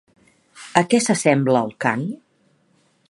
A què s'assembla el cant?